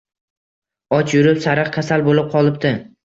Och yurib sariq kasal bo`lib qolibdi